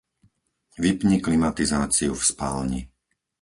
Vypni klimatizáciu v spálni.